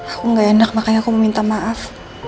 aku gak enak makanya aku mau minta maaf